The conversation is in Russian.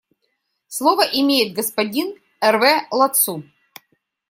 Слово имеет господин Эрве Ладсу.